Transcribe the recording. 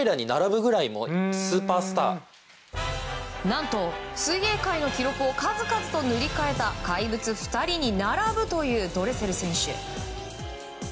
何と水泳界の記録を数々と塗り替えた怪物２人に並ぶというドレセル選手。